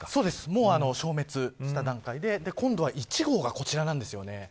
もう消滅した段階で今度は１号がこちらです。